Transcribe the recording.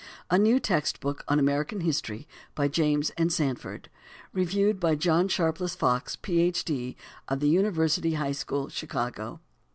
A New Text Book on American History By James and Sanford REVIEWED BY JOHN SHARPLESS FOX, PH.D., OF THE UNIVERSITY HIGH SCHOOL, CHICAGO.